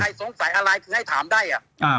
ใครสงสัยอะไรคุณให้ถามได้